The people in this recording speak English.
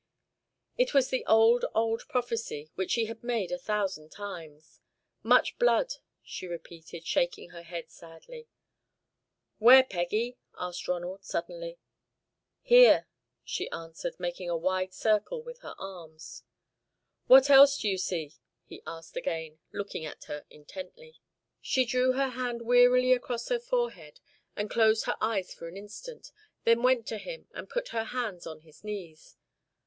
It was the old, old prophecy, which she had made a thousand times. "Much blood," she repeated, shaking her head sadly. "Where, Peggy?" asked Ronald, suddenly. "Here," she answered, making a wide circle with her arms. "What else do you see?" he asked again, looking at her intently. She drew her hand wearily across her forehead and closed her eyes for an instant, then went to him, and put her hands on his knees.